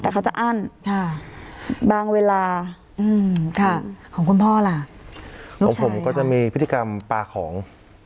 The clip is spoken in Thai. แต่เขาจะอั้นบางเวลาของคุณพ่อล่ะของผมก็จะมีพฤติกรรมปลาของ